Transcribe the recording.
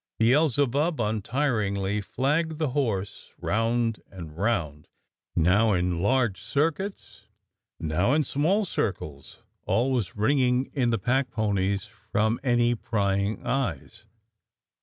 Beelzebub untiringly flagged the horse round and round, now in large cir cuits, now in small circles, always ringing in the pack ponies from any prying eyes.